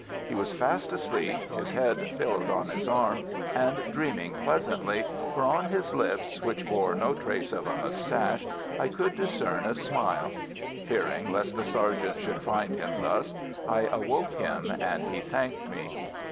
He was fast asleep, his head pillowed on his arm, and dreaming pleasantly, for on his lips, which bore no trace of a moustache, I could discern a smile. Fearing lest the sergeant should find him thus, I awoke him, and he thanked me.